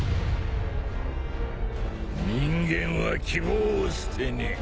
人間は希望を捨てねえ。